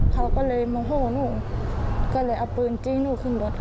เขาก็เลยโมโหหนูก็เลยเอาปืนจี้หนูขึ้นรถ